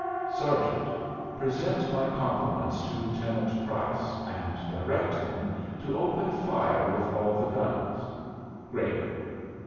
"Sergeant, present my compliments to Lieutenant Price and direct him to open fire with all the guns. Grape."